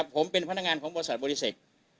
ผมเป็นพนักงานของบริษัทบริเสก